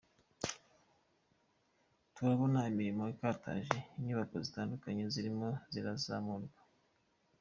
Turabona imirimo ikataje, inyubako zitandukanye zirimo zirazamurwa.